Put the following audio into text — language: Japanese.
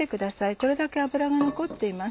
これだけ油が残っています。